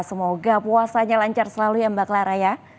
semoga puasanya lancar selalu ya mbak clara ya